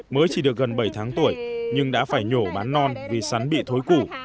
mới chỉ được gần bảy tháng tuổi nhưng đã phải nhổ bán non vì sắn bị thối củ